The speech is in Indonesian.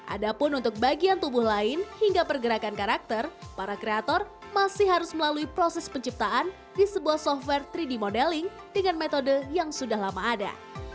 ada pun untuk bagian tubuh lain hingga pergerakan karakter para kreator masih harus melalui proses penciptaan di sebuah software tiga d modeling dengan metode yang sudah lama ada